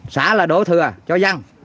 xã là đổ thừa cho giăng